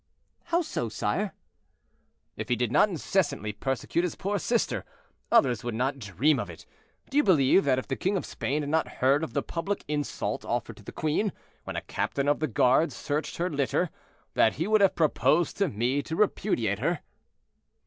"How so, sire?" "If he did not incessantly persecute his poor sister, others would not dream of it. Do you believe that if the king of Spain had not heard of the public insult offered to the queen, when a captain of the guards searched her litter, that he would have proposed to me to repudiate her?"